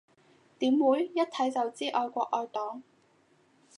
點會，一睇就知愛國愛黨